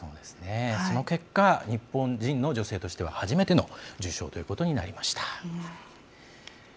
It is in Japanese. その結果、日本人の女性としては初めての受賞ということになりました。